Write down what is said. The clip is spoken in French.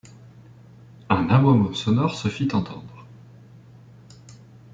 Un aboiement sonore se fit entendre.